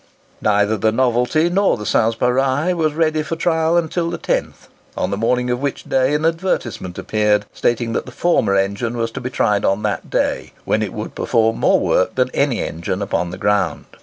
Neither the "Novelty" nor the "Sanspareil" was ready for trial until the 10th, on the morning of which day an advertisement appeared, stating that the former engine was to be tried on that day, when it would perform more work than any engine upon the ground.